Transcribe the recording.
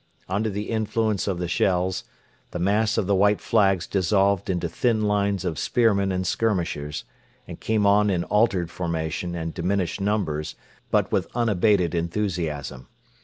Under the influence of the shells the mass of the 'White Flags' dissolved into thin lines of spearmen and skirmishers, and came on in altered formation and diminished numbers, but with unabated enthusiasm.